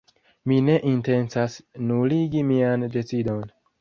Mi ne intencas nuligi mian decidon.